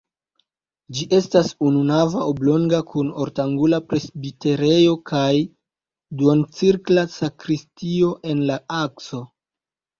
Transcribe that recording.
Ĝi estas ununava, oblonga kun ortangula presbiterejo kaj duoncirkla sakristio en la akso.